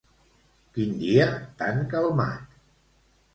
Quin dia tan calmat.